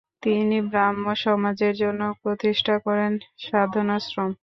তিনি ব্রাহ্ম সমাজের জন্য প্রতিষ্ঠা করেন সাধনাশ্রম।